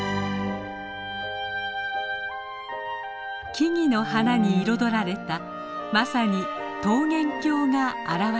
木々の花に彩られたまさに桃源郷が現れました。